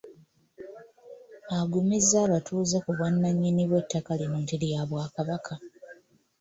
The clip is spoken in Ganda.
Agumizza abatuuze ku bwannannyini bw'ettaka lino nti lya Bwakabaka.